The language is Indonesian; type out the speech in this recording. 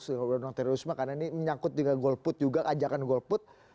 undang undang terorisme karena ini menyangkut juga golput juga ajakan golput